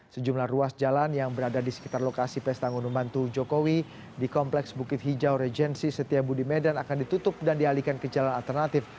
sejumlah ruas jalan yang berada di sekitar lokasi pesta ngunduh mantu jokowi di kompleks bukit hijau regensi setiabudi medan akan ditutup dan dialihkan ke jalan alternatif